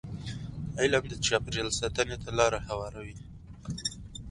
علم د چاپېریال ساتنې ته لاره هواروي.